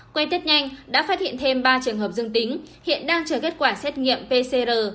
quay tết nhanh đã phát hiện thêm ba trường hợp dương tính hiện đang chờ kết quả xét nghiệm pcr